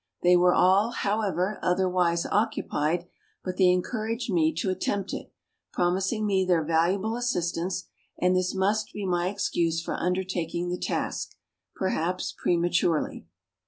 They were all, however, otherwise occupied, but they encouraged me to attempt it, promising me their valuable assistance, and this must be my excuse for undertaking the task, jierhajis in'ematurely."